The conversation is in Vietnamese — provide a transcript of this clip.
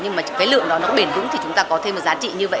nhưng mà cái lượng đó nó bền vững thì chúng ta có thêm một giá trị như vậy